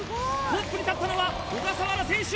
トップに立ったのは、小笠原選手。